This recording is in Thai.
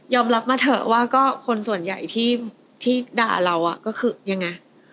รับมาเถอะว่าก็คนส่วนใหญ่ที่ด่าเราก็คือยังไง